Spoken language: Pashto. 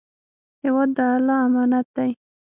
هېواد د الله امانت دی.